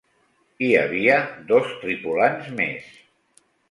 Hi havia dos tripulants més.